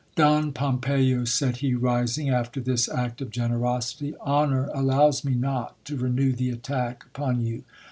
Don Pompeyo, said he rising, after this act of generosity, honour allows me not to renew the attack upon you.